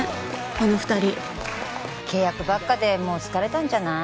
あの二人契約ばっかでもう疲れたんじゃない？